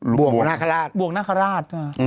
บวงของนาคาราช